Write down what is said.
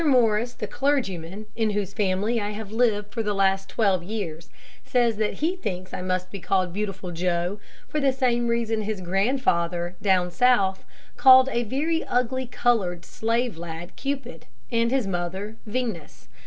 Morris, the clergyman, in whose family I have lived for the last twelve years, says that he thinks I must be called Beautiful Joe for the same reason that his grandfather, down South, called a very ugly colored slave lad Cupid, and his mother Venus.